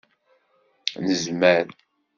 Nezmer!